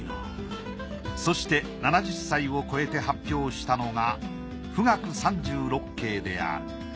そして７０歳を超えて発表したのが『富嶽三十六景』である。